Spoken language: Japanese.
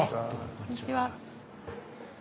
こんにちは。